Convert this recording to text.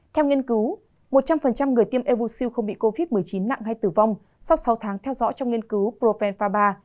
theo nghiên cứu một trăm linh người tiêm evusil không bị covid một mươi chín nặng hay tử vong sau sáu tháng theo dõi trong nghiên cứu provenfa ba